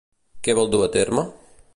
Què vol dur a terme?